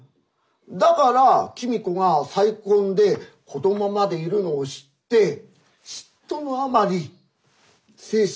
だから公子が再婚で子どもまでいるのを知って嫉妬のあまり精神を病んでしまった。